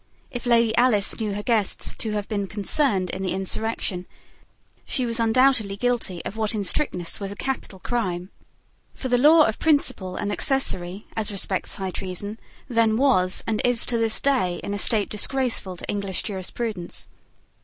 If Lady Alice knew her guests to have been concerned in the insurrection, she was undoubtedly guilty of what in strictness was a capital crime. For the law of principal and accessory, as respects high treason, then was, and is to this day, in a state disgraceful to English jurisprudence.